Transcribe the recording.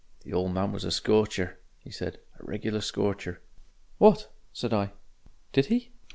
"The old man was a scorcher," he said; "a regular scorcher." "What!" said I; "did he